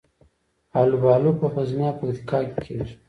الوبالو په غزني او پکتیکا کې کیږي